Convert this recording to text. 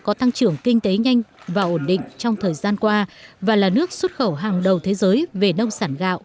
có tăng trưởng kinh tế nhanh và ổn định trong thời gian qua và là nước xuất khẩu hàng đầu thế giới về nông sản gạo